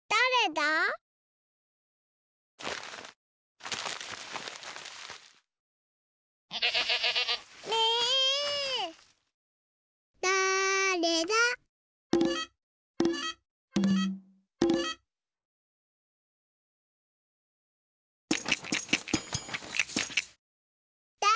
だれだ？